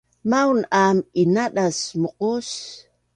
Maun aam inadas muqus